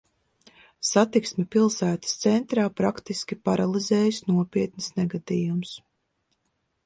Satiksmi pilsētas centrā praktiski paralizējis nopietns negadījums.